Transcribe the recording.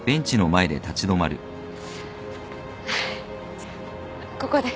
じゃあここで。